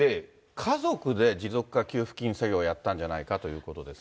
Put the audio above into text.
家族で持続化給付金詐欺をやったんじゃないかということなん